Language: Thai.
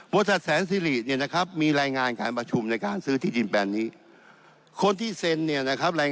บริษัทแสนสิริเนี่ยนะครับ